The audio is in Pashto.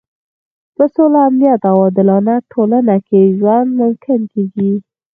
په سوله، امنیت او عادلانه ټولنه کې ژوند ممکن کېږي.